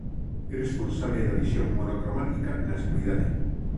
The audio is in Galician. É responsable da visión "monocromática" na escuridade.